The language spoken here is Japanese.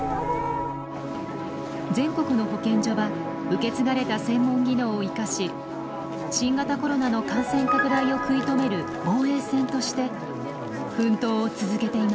全国の保健所は受け継がれた専門技能を生かし新型コロナの感染拡大を食い止める防衛線として奮闘を続けています。